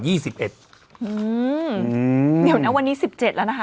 เดี๋ยวนะวันนี้๑๗แล้วนะคะ